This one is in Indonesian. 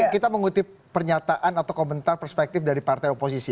kita mengutip pernyataan atau komentar perspektif dari partai oposisi